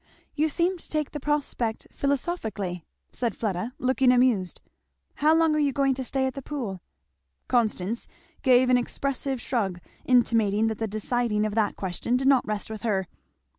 "You seem to take the prospect philosophically," said Fleda, looking amused. "How long are you going to stay at the Pool?" Constance gave an expressive shrug, intimating that the deciding of that question did not rest with her.